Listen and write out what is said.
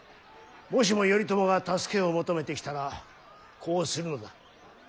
もしも頼朝が助けを求めてきたらこうするのだ。